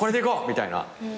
みたいな。